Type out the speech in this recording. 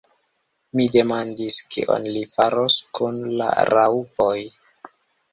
Mi demandis kion li faros kun la raŭpoj.